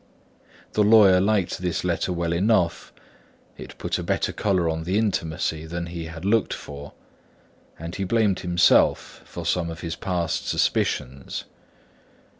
The lawyer liked this letter well enough; it put a better colour on the intimacy than he had looked for; and he blamed himself for some of his past suspicions.